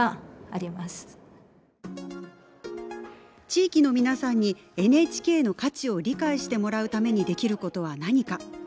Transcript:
地域の皆さんにＮＨＫの価値を理解してもらうためにできることは何か。